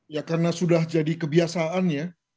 ya karena sudah jadi kebiasaan ya